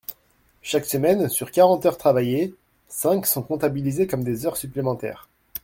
Chaque semaine, sur quarante heures travaillées, cinq sont comptabilisées comme des heures supplémentaires.